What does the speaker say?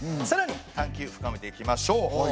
さらに探究深めていきましょう！